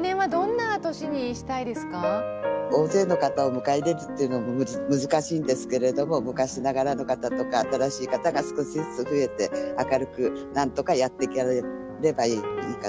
大勢の方を迎え入れるっていうのも難しいんですけれども昔ながらの方とか新しい方が少しずつ増えて明るくなんとかやっていかれればいいかなと思います。